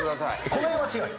この辺は強い？